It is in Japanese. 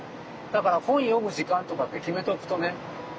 だから本読む時間とかって決めとくとね。